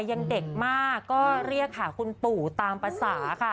ยังเด็กมากก็เรียกหาคุณปู่ตามภาษาค่ะ